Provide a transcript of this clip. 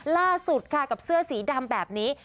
ล่าสุดค่ะกับเสื้อสีดำแบบนี้